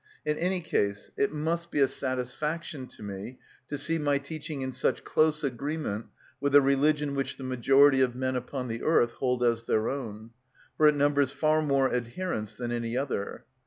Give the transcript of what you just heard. In any case it must be a satisfaction to me to see my teaching in such close agreement with a religion which the majority of men upon the earth hold as their own; for it numbers far more adherents than any other.